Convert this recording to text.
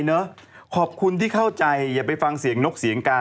เออนี่อ่ะพาไปแชนแนล